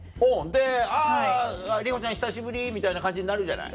「あぁ里帆ちゃん久しぶり」みたいな感じになるじゃない。